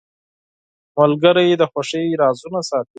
ملګری د خوښۍ رازونه ساتي.